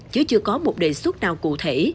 chứ chưa có một đề xuất nào cụ thể